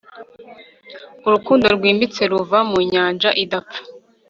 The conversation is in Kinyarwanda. urukundo rwimbitse ruva mu nyanja idapfa